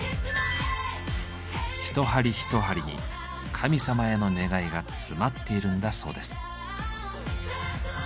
一針一針に神様への願いが詰まっているんだそうです。